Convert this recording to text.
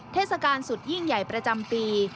เทศกาลสุดยิ่งใหญ่ประจำปี